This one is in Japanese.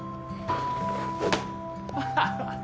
ハハハ！